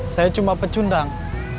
saya cuma pecundang